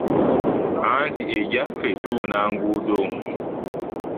Anti egyaffe tubuna nguudo .